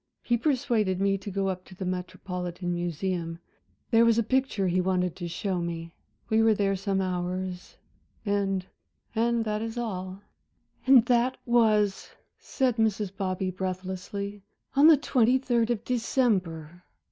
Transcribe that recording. He persuaded me to go up to the Metropolitan Museum there was a picture he wanted to show me. We were there some hours. And and that is all." "And that was," said Mrs. Bobby breathlessly, "on the twenty third of December.